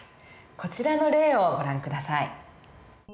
こちらの例をご覧下さい。